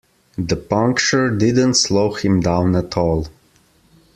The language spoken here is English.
The puncture didn't slow him down at all.